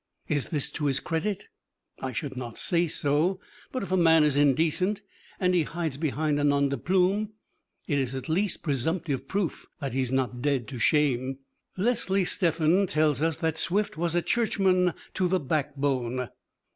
Is this to his credit? I should not say so, but if a man is indecent and he hides behind a "nom de plume," it is at least presumptive proof that he is not dead to shame. Leslie Stephen tells us that Swift was a Churchman to the backbone.